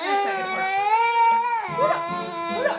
ほら！